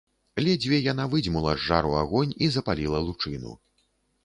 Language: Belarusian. Ледзьве яна выдзьмула з жару агонь і запаліла лучыну.